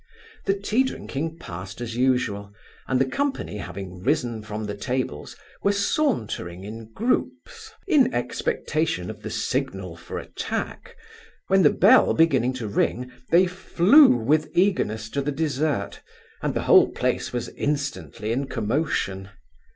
The tea drinking passed as usual, and the company having risen from the tables, were sauntering in groupes, in expectation of the signal for attack, when the bell beginning to ring, they flew with eagerness to the dessert, and the whole place was instantly in commotion.